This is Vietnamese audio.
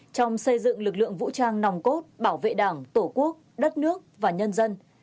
trong xây dựng lực lượng vũ trang nòng cốt bảo vệ đảng tổ quốc đất nước và nhân dân